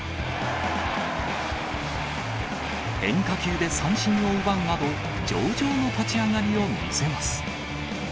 変化球で三振を奪うなど、上々の立ち上がりを見せます。